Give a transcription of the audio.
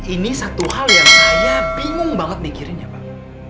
ini satu hal yang saya bingung banget mikirin ya pak